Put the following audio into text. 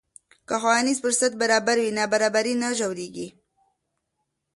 که ښوونیز فرصت برابر وي، نابرابري نه ژورېږي.